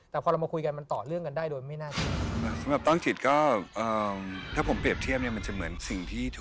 แต่พอเรามาคุยกันมันต่อเรื่องกันได้โดยไม่น่าคิด